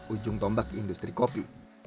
ujung tombak industri kopi